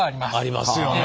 ありますよね？